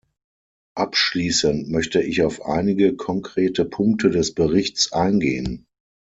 Abschließend möchte ich auf einige konkrete Punkte des Berichts eingehen.